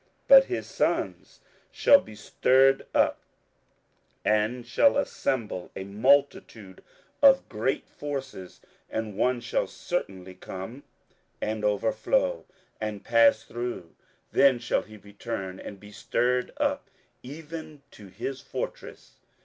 27:011:010 But his sons shall be stirred up, and shall assemble a multitude of great forces: and one shall certainly come, and overflow, and pass through: then shall he return, and be stirred up, even to his fortress.